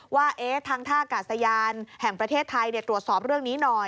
ว่าทางท่ากาศยานแห่งประเทศไทยตรวจสอบเรื่องนี้หน่อย